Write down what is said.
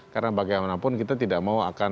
karena bagaimanapun kita tidak mau akan